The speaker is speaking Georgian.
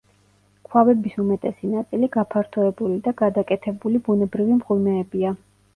ქვაბების უმეტესი ნაწილი გაფართოებული და გადაკეთებული ბუნებრივი მღვიმეებია.